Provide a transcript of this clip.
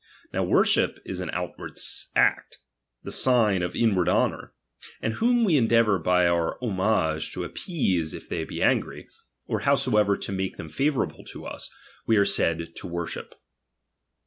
Now worship is an outward act, the sign of in ward honour ; and whom we endeavour by our homage to appease if they be angry, or howsoever RELIGION. 211 make them favourable to us, we are said to chap. tjtyoTsh'ip.